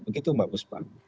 begitu mbak buspang